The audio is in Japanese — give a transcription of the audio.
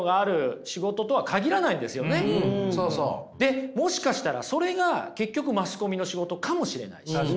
でもしかしたらそれが結局マスコミの仕事かもしれないし。